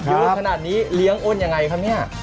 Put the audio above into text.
ยืนขนาดนี้เลี้ยงอ้นอย่างไรครับนี่